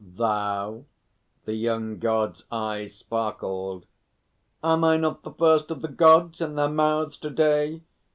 "Thou?" The young God's eyes sparkled. "Am I not the first of the Gods in their mouths to day?"